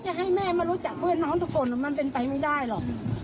ให้แม่มารู้จักเพื่อนน้องทุกคนมันเป็นไปไม่ได้หรอก